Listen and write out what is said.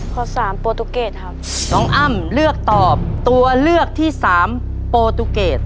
ข้อสามโปรตุเกตครับน้องอ้ำเลือกตอบตัวเลือกที่สามโปรตูเกต